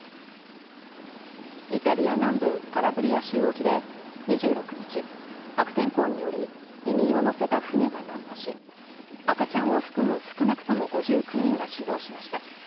イタリア南部カラブリア州沖で２６日、悪天候により、移民を乗せた船が難破し、赤ちゃんを含む少なくとも５９人が死亡しました。